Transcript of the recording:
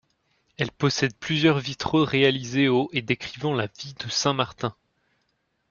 Elle possède plusieurs vitraux réalisés au et décrivant la vie de saint-Martin.